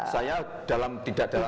saya dalam tidak dalam